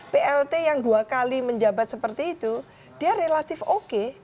plt yang dua kali menjabat seperti itu dia relatif oke